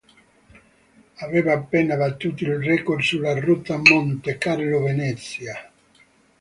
Aveva appena battuto il record sulla rotta Monte Carlo-Venezia.